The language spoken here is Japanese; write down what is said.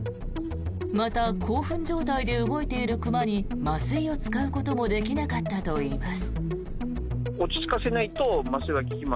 また、興奮状態で動いている熊に麻酔を使うこともできなかったといいます。